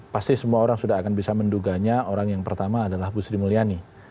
pasti semua orang sudah akan bisa menduganya orang yang pertama adalah bu sri mulyani